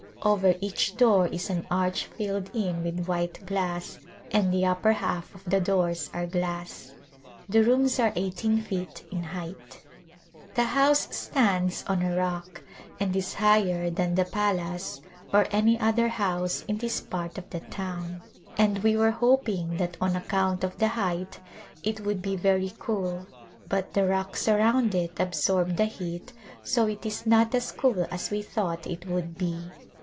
Over each door is an arch filled in with white glass and the upper half of the doors are glass. The rooms are eighteen feet in height. The house stands on a rock and is higher than the palace or any other house in this part of the town, [ 307] A Glimpse of India and we were hoping that on account of the height it would be very cool but the rocks around it absorb the heat so it is not as cool as we thought it would be.